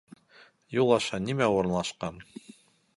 Юл аша нимә урынлашҡан?